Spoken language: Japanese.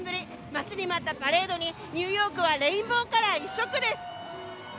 待ちに待ったパレードにニューヨークはレインボーカラー一色です。